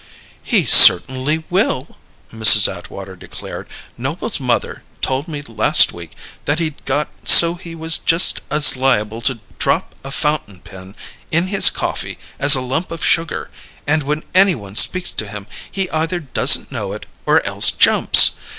"He certainly will!" Mrs. Atwater declared. "Noble's mother told me last week that he'd got so he was just as liable to drop a fountain pen in his coffee as a lump of sugar; and when any one speaks to him he either doesn't know it, or else jumps.